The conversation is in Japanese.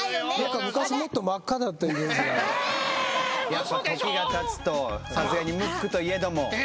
やっぱ時がたつとさすがにムックといえども。